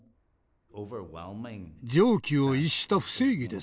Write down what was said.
常軌を逸した不正義です。